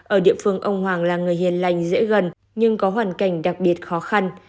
ở địa phương ông hoàng là người hiền lành dễ gần nhưng có hoàn cảnh đặc biệt khó khăn